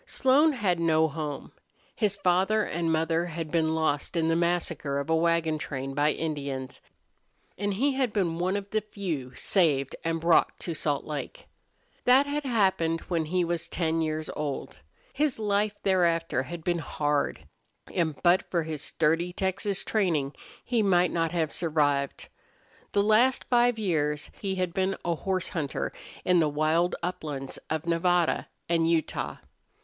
Slone had no home. His father and mother had been lost in the massacre of a wagon train by Indians, and he had been one of the few saved and brought to Salt Lake. That had happened when he was ten years old. His life thereafter had been hard, and but for his sturdy Texas training he might not have survived. The last five years he had been a horse hunter in the wild uplands of Nevada and Utah.